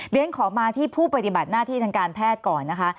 เรียนขอมาที่ผู้ปฏิบัติหน้าที่ทางการแพทย์ก่อนนะคะ